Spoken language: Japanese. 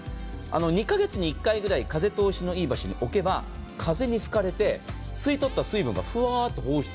２か月に１回くらい風通しのいい場所に置けば、風に吹かれて、吸い取った水分がふわっと放出。